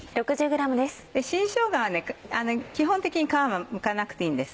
新しょうがは基本的に皮はむかなくていいんです。